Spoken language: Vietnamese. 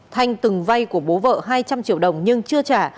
thanh từng vay của bố vợ hai trăm linh triệu đồng nhưng chưa trả